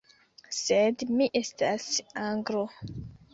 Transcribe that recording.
Sed, mi estas Anglo.